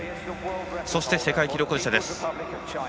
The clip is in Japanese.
そして世界記録保持者。